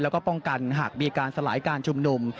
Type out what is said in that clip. แล้วก็ป้องกันหากมีการสลายการชุมนุม